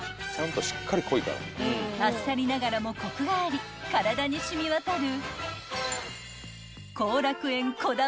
［あっさりながらもコクがあり体に染み渡る］